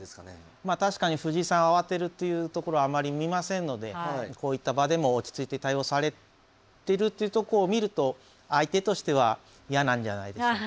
まあ確かに藤井さんは慌てるというところはあまり見ませんのでこういった場でも落ち着いて対応されてるっていうとこを見ると相手としては嫌なんじゃないでしょうか。